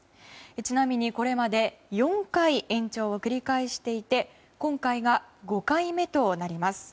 ちなみに、これまで４回、延長を繰り返していて今回が５回目となります。